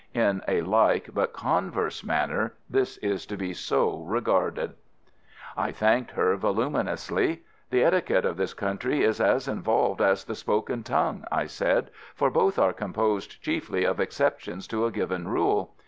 In a like but converse manner this is to be so regarded." I thanked her voluminously. "The etiquette of this country is as involved as the spoken tongue," I said, "for both are composed chiefly of exceptions to a given rule.